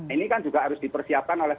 ini kan juga harus dipersiapkan oleh